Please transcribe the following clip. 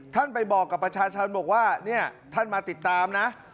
ท่านไปบอกกับประชาชนบอกว่าเนี่ยท่านมาติดตามนะ